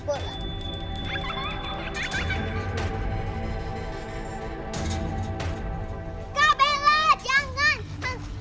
kak bella jangan